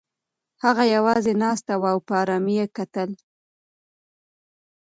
هغه یوازې ناسته وه او په ارامۍ یې کتل.